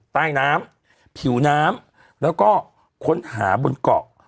ใต้น้ำผิวน้ำแล้วก็ค้นหาบนเกาะ